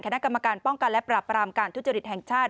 คณะกรรมการป้องกันและปราบรามการทุจริตแห่งชาติ